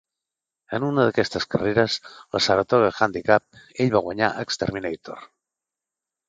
En una d'aquestes carreres, la Saratoga Handicap, ell va guanyar a Exterminator.